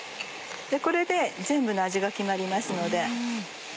これで全部の味が決まりますので。